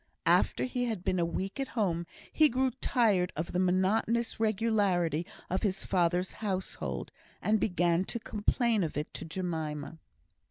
After he had been a week at home, he grew tired of the monotonous regularity of his father's household, and began to complain of it to Jemima.